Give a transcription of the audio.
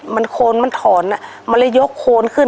มันโคนมันถอนมันเลยยกโคนขึ้น